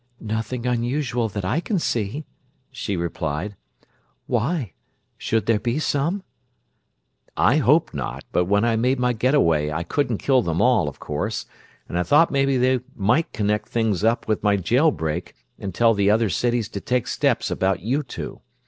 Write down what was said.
"Nothing unusual that I can see," she replied. "Why? Should there be some?" "I hope not, but when I made my get away I couldn't kill them all, of course, and I thought maybe they might connect things up with my jail break and tell the other cities to take steps about you two.